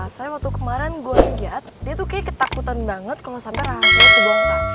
soalnya waktu kemarin gue liat dia tuh kayaknya ketakutan banget kalo sampe rahasia tuh bongkar